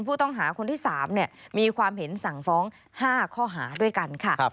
ผู้ต้องหาคนที่๓มีความเห็นสั่งฟ้อง๕ข้อหาด้วยกันค่ะ